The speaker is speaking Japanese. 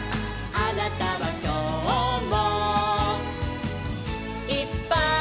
「あなたはきょうも」